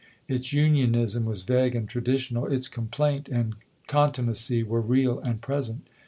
Its Unionism was vague and traditional; its complaint and contumacy were real and present.